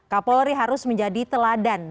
kapolri harus menjadi teladan